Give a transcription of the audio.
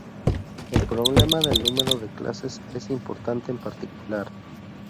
El problema del número de clases es importante en particular.